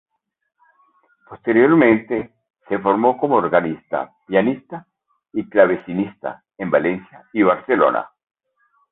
Posteriormente, se formó como organista, pianista y clavecinista en Valencia y Barcelona.